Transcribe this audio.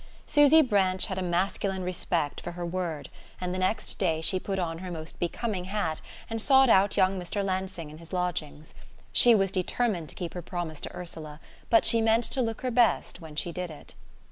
Susy Branch had a masculine respect for her word; and the next day she put on her most becoming hat and sought out young Mr. Lansing in his lodgings. She was determined to keep her promise to Ursula; but she meant to look her best when she did it.